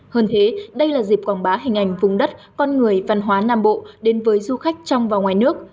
hơn thế đây là dịp quảng bá hình ảnh vùng đất con người văn hóa nam bộ đến với du khách trong và ngoài nước